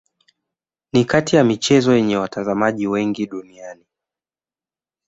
Ni kati ya michezo yenye watazamaji wengi duniani.